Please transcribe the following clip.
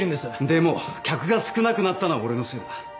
でも客が少なくなったのは俺のせいだ。